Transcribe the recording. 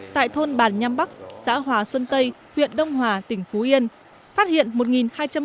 tại thôn bàn nhăm bắc xã hòa xuân tây huyện đông hòa tỉnh phú yên phát hiện một hai trăm linh bịch